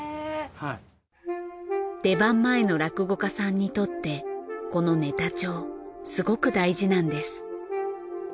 出番前の落語家さんにとってこのネタ帳すごく大事なんです。